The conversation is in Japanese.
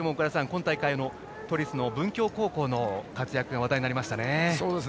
今大会の都立の文京高校の活躍が話題になりましたね。